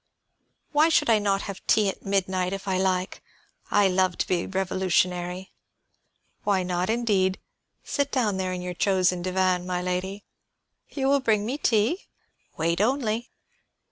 Why should I not have tea at midnight, if I like? I love to be revolutionary." "Why not, indeed? Sit down there in your chosen divan, my lady." "You will bring me tea?" "Wait only."